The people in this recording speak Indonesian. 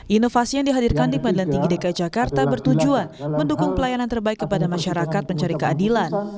inovasi yang dihadirkan di pengadilan tinggi dki jakarta bertujuan mendukung pelayanan terbaik kepada masyarakat pencari keadilan